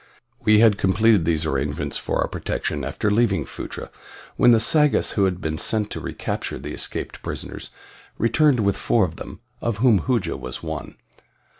We had completed these arrangements for our protection after leaving Phutra when the Sagoths who had been sent to recapture the escaped prisoners returned with four of them, of whom Hooja was one.